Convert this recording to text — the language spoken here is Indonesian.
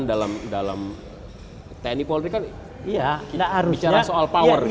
dalam tni polri kan bicara soal power